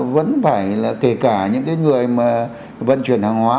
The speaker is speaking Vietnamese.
vẫn phải là kể cả những cái người mà vận chuyển hàng hóa